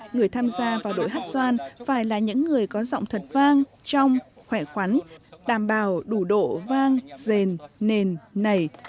người tham gia vào đội hát xoan phải là những người có giọng thật vang trong khỏe khoắn đảm bảo đủ độ vang rền nền nảy